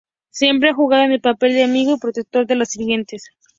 siempre ha jugado el papel de amigo y protector de los sirvientes